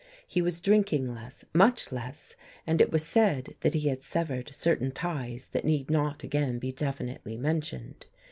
He was drinking less, much less; and it was said that he had severed certain ties that need not again be definitely mentioned.